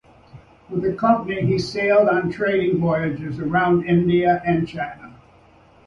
With the company, he sailed on trading voyages around India and China.